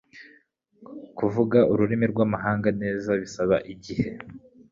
Kuvuga ururimi rwamahanga neza bisaba igihe.